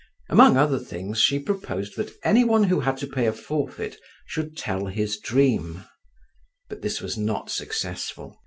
Among other things, she proposed that any one who had to pay a forfeit should tell his dream; but this was not successful.